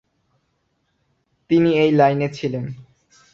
তিনি এই লাইনে ছিলেন।